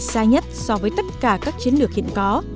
xa nhất so với tất cả các chiến lược hiện có